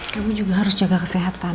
kami juga harus jaga kesehatan